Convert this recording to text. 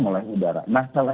ya udah ada r principle